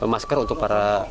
masker untuk para